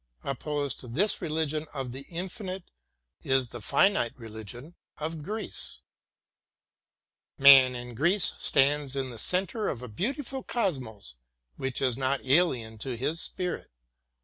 Opposed to this religion of the infinite is the finite religion of Greece. HEGEL 7 Man in Greece stands in the centre of a beautiful cosmos which is not alien to his spirit.